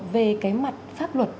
về cái mặt pháp luật